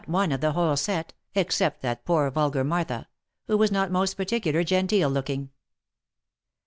53 one of the whole set (except that poor vulgar Martha), who was not most particular genteel looking."